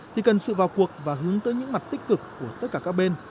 thì cần sự vào cuộc và hướng tới những mặt tích cực của tất cả các bên